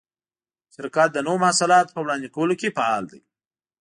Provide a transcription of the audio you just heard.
شرکت د نوو محصولاتو په وړاندې کولو کې فعال دی.